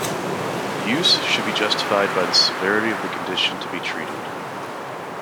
Use should be justified by the severity of the condition to be treated.